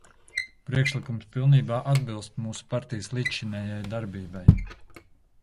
Priekšlikums pilnībā atbilst mūsu partijas līdzšinējai darbībai.